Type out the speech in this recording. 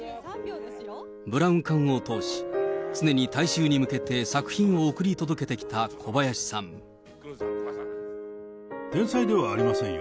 ブラウン管を通し、常に大衆に向けて作品を送り届けてきた小林さ天才ではありませんよ。